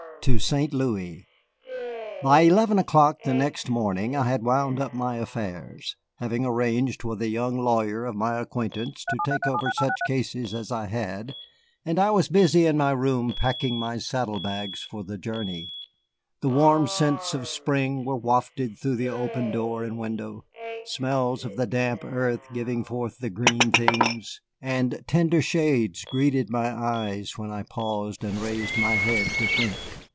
TO ST. LOUIS By eleven o'clock the next morning I had wound up my affairs, having arranged with a young lawyer of my acquaintance to take over such cases as I had, and I was busy in my room packing my saddle bags for the journey. The warm scents of spring were wafted through the open door and window, smells of the damp earth giving forth the green things, and tender shades greeted my eyes when I paused and raised my head to think.